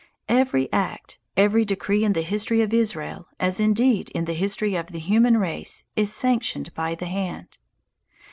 Every act, every decree in the history of Israel, as indeed in the history of the human race, is sanctioned by the hand.